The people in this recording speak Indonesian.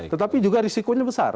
tetapi juga risikonya besar